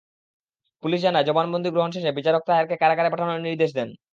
Police জানায়, জবানবন্দি গ্রহণ শেষে বিচারক তাহেরকে কারাগারে পাঠানোর নির্দেশ দেন।